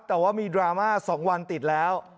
แต่ว่ามีดราม่า๒วันติดแล้ว